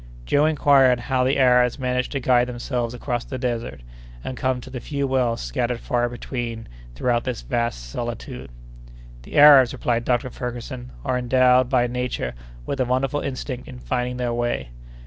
Joe inquired how the Arabs managed to guide themselves across the desert, and come to the few wells scattered far between throughout this vast solitude. "The Arabs," replied Dr. Ferguson, "are endowed by nature with a wonderful instinct in finding their way.